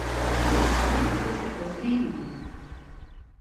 Es gribu pieskarties brīnumam.